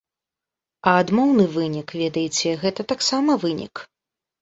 А адмоўны вынік, ведаеце, гэта таксама вынік.